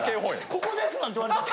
「ここです」なんて言われちゃって。